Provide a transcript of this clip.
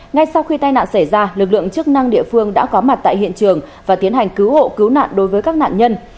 ngay sau khi tai nạn xảy ra lực lượng chức năng địa phương đã có mặt tại hiện trường và tiến hành cứu hộ cứu nạn đối với các nạn nhân